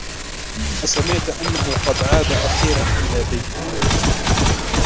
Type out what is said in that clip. أسمعت أنه قد عاد أخيرا إلى بيته ؟